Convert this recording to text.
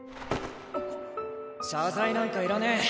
謝罪なんかいらねえ！